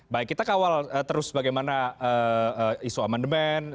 baik kita kawal terus bagaimana isu amandemen